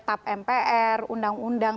tap mpr undang undang